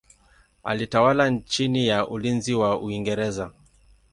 Alitawala chini ya ulinzi wa Uingereza.